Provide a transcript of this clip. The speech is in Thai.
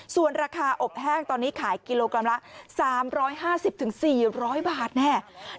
ส่วนราคาอบแห้งตอนนี้ขายกิโลกรัมละ๓๕๐๔๐๐บาทแน่